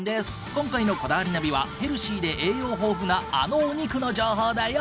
今回の『こだわりナビ』はヘルシーで栄養豊富なあのお肉の情報だよ！